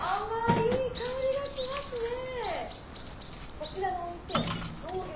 こちらのお店創業